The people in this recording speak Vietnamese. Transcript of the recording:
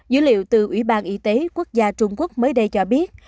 dữ liệu từ ủy ban y tế quốc gia trung quốc mới đây cho biết